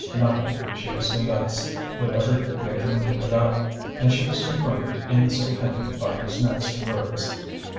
Nothing, she was convinced, would ever make him give it up, and she was confirmed in this opinion by his next words.